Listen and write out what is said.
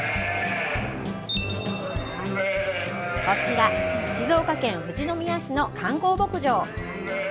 こちら、静岡県富士宮市の観光牧場。